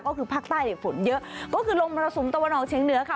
ก็คือภาคใต้เนี่ยฝนเยอะก็คือลมมรสุมตะวันออกเชียงเหนือค่ะ